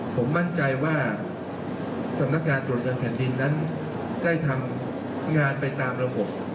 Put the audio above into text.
ผมมั่นใจว่าสำนักงานตรวจเงินแผ่นดินนั้นได้ทำงานไปตามระบบ